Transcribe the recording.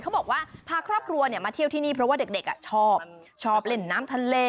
เขาบอกว่าพาครอบครัวมาเที่ยวที่นี่เพราะว่าเด็กชอบชอบเล่นน้ำทะเล